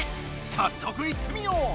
さっそくいってみよう！